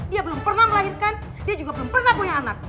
dia belum pernah melahirkan dia juga belum pernah punya anak